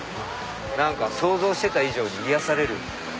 想像してた以上に癒やされる。